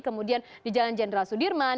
kemudian di jalan jenderal sudirman